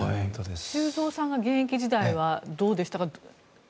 修造さんが現役時代はどうでしたか？